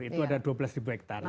itu ada dua belas hektare